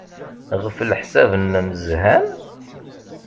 Ɣef leḥsab-nnem, zhan?